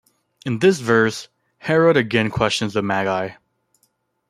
In this verse Herod again questions the magi.